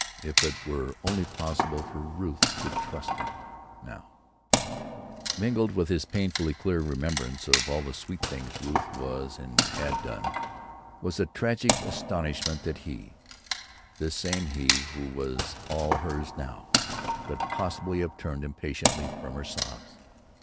If it were only possible for Ruth to trust him, now—— Mingled with his painfully clear remembrance of all the sweet things Ruth was and had done was a tragic astonishment that he—this same he who was all hers now—could possibly have turned impatiently from her sobs.